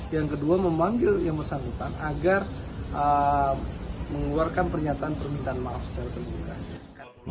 yang kedua memanggil yang bersangkutan agar mengeluarkan pernyataan permintaan maaf secara terbuka